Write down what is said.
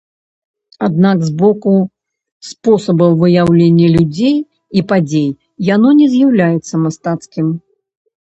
Аднак з боку спосабаў выяўлення людзей і падзей яно не з'яўляецца мастацкім.